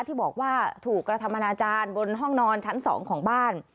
ที่บอกว่าถูกกระทำอนาจารย์บนห้องนอนชั้น๒ของบ้าน